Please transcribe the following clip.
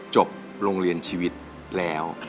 จบโรงเรียนชีวิตแล้ว